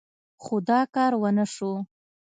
خو دا کار ونه شو.